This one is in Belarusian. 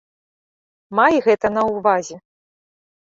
Май гэта на ўвазе.